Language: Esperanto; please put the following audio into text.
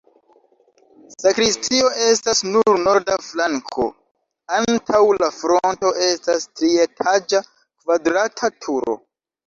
Sakristio estas sur norda flanko, antaŭ la fronto estas trietaĝa kvadrata turo.